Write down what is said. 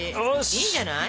いいんじゃない？